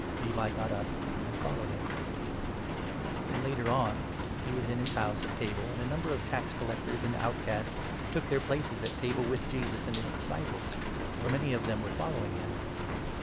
" Levi got up and followed him. And later on he was in his house at table, and a number of 15 tax gatherers and outcasts took their places at table with Jesus and his disciples ; for many of them were following him.